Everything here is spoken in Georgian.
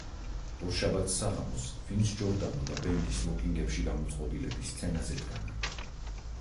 ორშაბათს საღამოს ვინს ჯორდანო და ბენდი სმოკინგებში გამოწყობილები სცენაზე დგანან.